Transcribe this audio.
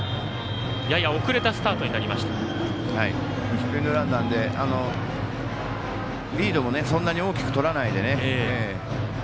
ヒットエンドランなんでリードもそんなに大きくとらないでね。